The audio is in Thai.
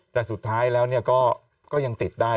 แต่สุดท้ายแล้วก็ยังติดได้